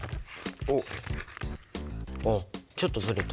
おっあっちょっとずれた。